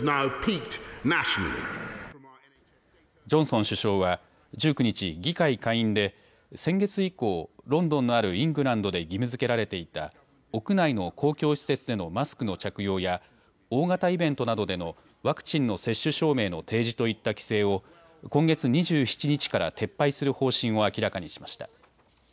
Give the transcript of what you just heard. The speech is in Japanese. ジョンソン首相は１９日、議会下院で先月以降ロンドンのあるイングランドで義務づけられていた屋内の公共施設でのマスクの着用や大型イベントなどでのワクチンの接種証明の提示といった規制を今月２７日から撤廃する方針を明らかにしました。